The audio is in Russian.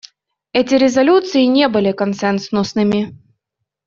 Эти резолюции не были консенсусными.